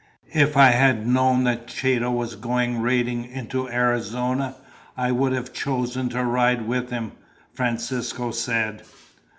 "If I had known that Chato was going raiding into Arizona, I would have chosen to ride with him," Francisco said.